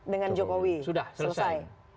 dengan jokowi sudah selesai